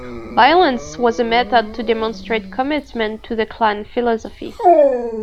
Violence was a method to demonstrate commitment to the Klan philosophy.